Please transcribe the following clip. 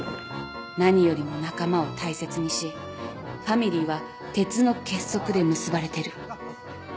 何よりも仲間を大切にしファミリーは鉄の結束で結ばれてる。